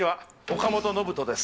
岡本信人です。